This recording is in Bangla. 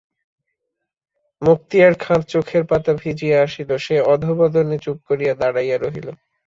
মুক্তিয়ার খাঁর চোখের পাতা ভিজিয়া আসিল, সে অধোবদনে চুপ করিয়া দাঁড়াইয়া রহিল।